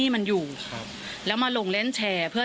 คุณแกน้อยแชร์